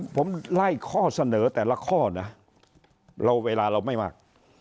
ผมไล่ข้อเสนอแต่ละข้อนะเราเวลาเราไม่มาก